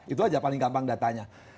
itu aja paling gampang datanya